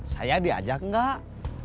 saya diajak gak